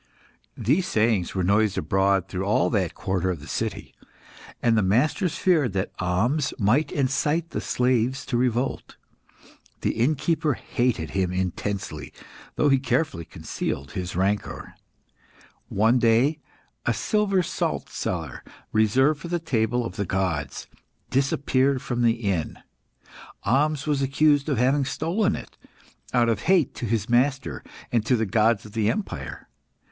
These sayings were noised abroad through all that quarter of the city, and the masters feared that Ahmes might incite the slaves to revolt. The innkeeper hated him intensely, though he carefully concealed his rancour. One day, a silver salt cellar, reserved for the table of the gods, disappeared from the inn. Ahmes was accused of having stolen it out of hate to his master and to the gods of the empire.